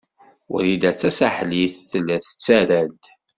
Wrida Tasaḥlit tella tettarra-d.